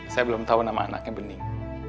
saya belum tahu nama anaknya bening